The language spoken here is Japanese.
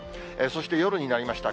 そして夜になりました。